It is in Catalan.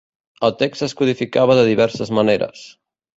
El text es codificava de diverses maneres.